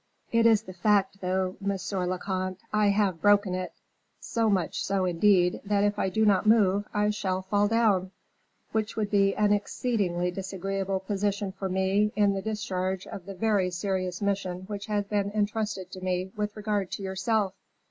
"It is the fact, though, monsieur le comte; I have broken it so much so, indeed, that if I do not move, I shall fall down, which would be an exceedingly disagreeable position for me in the discharge of the very serious mission which has been intrusted to me with regard to yourself."